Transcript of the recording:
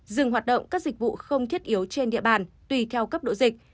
dừng hoạt động các dịch vụ không thiết yếu trên địa bàn tùy theo cấp độ dịch